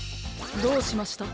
どうしました？